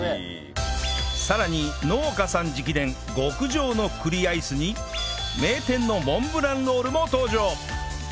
さらに農家さん直伝極上の栗アイスに名店のモンブランロールも登場